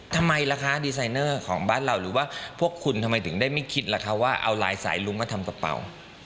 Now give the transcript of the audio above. ทำไมล่ะคะดีไซเนอร์ของบ้านเราหรือว่าพวกคุณทำไมถึงได้ไม่คิดล่ะคะว่าเอาลายสายลุงมาทำกระเป๋า